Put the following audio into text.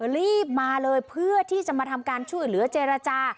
รีบมาเลยเพื่อที่จะมาทำการช่วยเหลือเจรจา